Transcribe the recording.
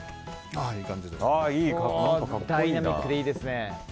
ダイナミックでいいですね。